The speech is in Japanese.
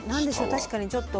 確かにちょっと赤く。